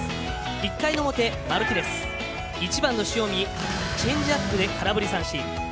１回の表マルティネス１番の塩見チェンジアップで空振り三振。